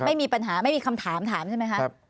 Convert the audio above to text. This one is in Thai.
ไม่มีปัญหาไม่มีคำถามถามใช่ไหมคะ